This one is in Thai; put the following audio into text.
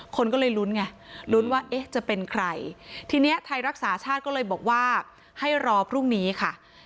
คนก็เลยลุ้นไงลุ้นว่าเอ๊ะจะเป็นใครทีนี้ไทยรักษาชาติก็เลยบอกว่าให้รอพรุ่งนี้ค่ะ